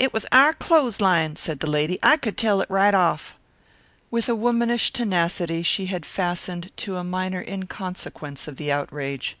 "It was our clothesline," said the lady. "I could tell it right off." With a womanish tenacity she had fastened to a minor inconsequence of the outrage.